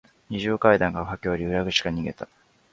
非常階段を駆け下り、裏口から逃げた。